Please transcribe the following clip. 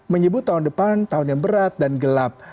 menyebut tahun depan tahun yang berat dan gelap